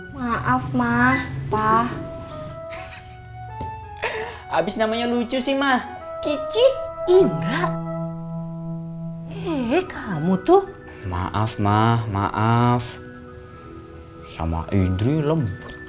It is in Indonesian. maaf mah pak habis namanya lucu sih mah kicik indra eh kamu tuh maaf mah maaf sama idri lem